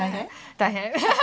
大変。